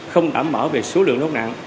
không đảm bảo về số lượng lốt nạn